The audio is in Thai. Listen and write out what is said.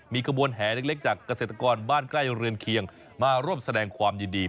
มีกระบวนแห่เล็กจากเกษตรกรบ้านใกล้เรือนเคียงมาร่วมแสดงความยินดี